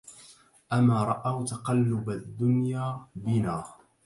أما رأوا تقلب الدنيا بنا